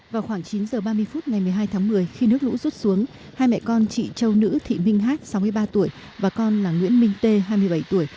vào khoảng chín h ba mươi phút ngày một mươi hai tháng một mươi khi nước lũ rút xuống hai mẹ con chị châu nữ thị minh hát sáu mươi ba tuổi và con là nguyễn minh tê hai mươi bảy tuổi